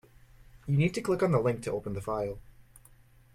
You need to click on the link to open the file